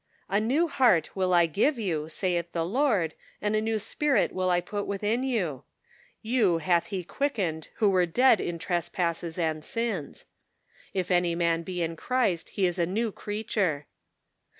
" A new heart will I give you, saith the Lord, and a new spirit will I put within you." " You hath he quickened who were dead in trespasses and sins." " If any man be in Christ he is a new creature."